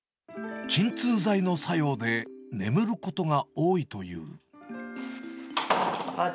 鎮痛剤の作用で眠ることが多いという。